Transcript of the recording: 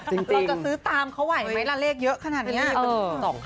เราจะซื้อตามเขาไหวไหมล่ะเลขเยอะขนาดนี้